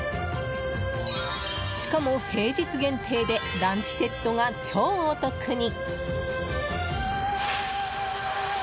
しかも、平日限定でランチセットが超お得に！